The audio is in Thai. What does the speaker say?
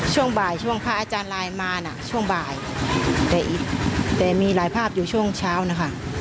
ช่วงบ่ายช่วงพระอาจารย์ไลน์มาน่ะช่วงบ่ายแต่อีกแต่มีหลายภาพอยู่ช่วงเช้านะคะ